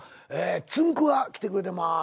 つんく♂が来てくれてます。